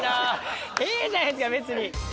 いいじゃないですか別に。